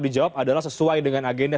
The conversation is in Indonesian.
dijawab adalah sesuai dengan agenda